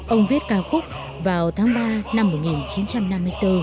ông viết ca khúc vào tháng ba năm một nghìn chín trăm năm mươi bốn